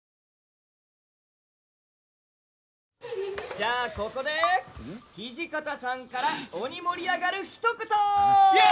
じゃあここで土方さんから鬼盛り上がるひと言！イエイ！